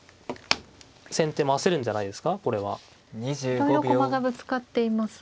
いろいろ駒がぶつかっていますが。